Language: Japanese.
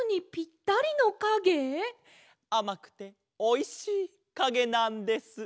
あまくておいしいかげなんです。